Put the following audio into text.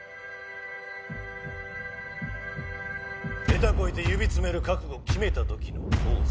ヘタこいて指詰める覚悟決めた時のポーズ。